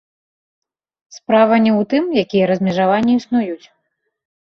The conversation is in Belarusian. Справа не ў тым, якія размежаванні існуюць.